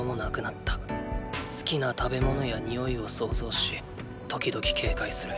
好きな食べ物や匂いを想像し時々ケーカイする。